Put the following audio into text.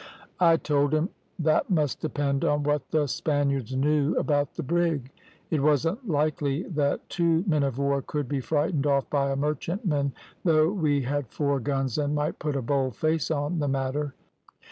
"I told him that must depend on what the Spaniards knew about the brig. It wasn't likely that two men of war could be frightened off by a merchantman, though we had four guns and might put a bold face on the matter.